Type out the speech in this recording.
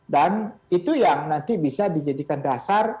dan itu yang nanti bisa dijadikan dasar